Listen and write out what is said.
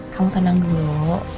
kamu tenang dulu